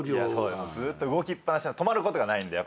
ずーっと動きっ放し止まることがないんで。